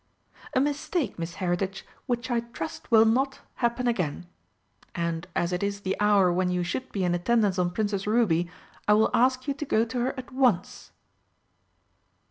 "A mistake, Miss Heritage, which I trust will not happen again. And, as it is the hour when you should be in attendance on Princess Ruby, I will ask you to go to her at once."